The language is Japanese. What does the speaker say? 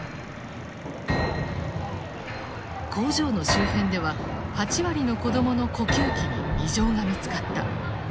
工場の周辺では８割の子どもの呼吸器に異常が見つかった。